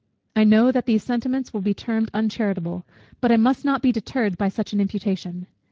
I know that these sentiments will be termed uncharitable; but I must not be deterred by such an imputation.